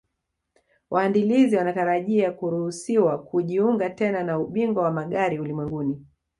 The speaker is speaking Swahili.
Waandalizi wanatarajia kuruhusiwa kujiunga tena na Ubingwa wa Magari Ulimwenguni